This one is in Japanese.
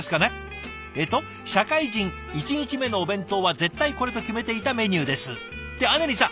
えっと「社会人１日目のお弁当は絶対これと決めていたメニューです」ってあねりんさん。